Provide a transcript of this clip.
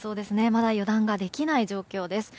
まだ油断ができない状況です。